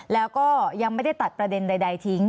แล้วก็ยังไม่ได้ตัดประเด็นใดทิ้ง